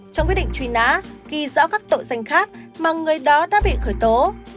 trong quyết định truy nã ghi rõ các tội danh khác mà người đó đã bị khởi tố